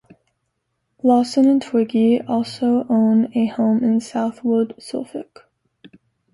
Lawson and Twiggy also own a home in Southwold, Suffolk.